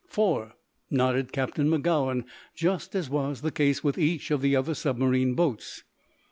"Four," nodded Captain Magowan; "just as was the case with each of the other submarine boats."